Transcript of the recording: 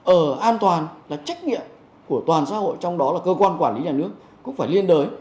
ở an toàn là trách nhiệm của toàn xã hội trong đó là cơ quan quản lý nhà nước cũng phải liên đới